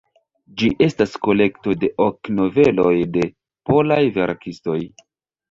Ĝi estas kolekto de ok noveloj de polaj verkistoj.